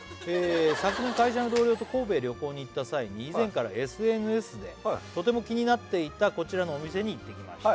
昨年会社の同僚と神戸へ旅行に行った際に以前からＳＮＳでとても気になっていたこちらのお店に行ってきました